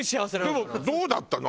でもどうだったの？